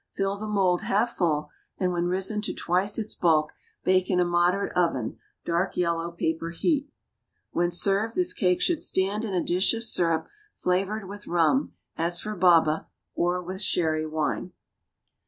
Fill the mold half full, and when risen to twice its bulk, bake in a moderate oven, dark yellow paper heat. When served, this cake should stand in a dish of syrup, flavored with rum, as for baba, or with sherry wine.